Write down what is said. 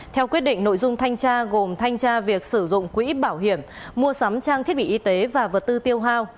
theo quyết định nội dung thanh tra gồm thanh tra việc sử dụng quỹ bảo hiểm mua sắm trang thiết bị y tế và vật tư tiêu hao